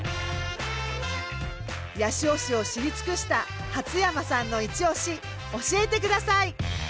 八潮市を知り尽くした初山さんのいちオシ教えてください！